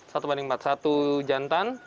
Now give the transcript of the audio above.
satu banding empat satu jantan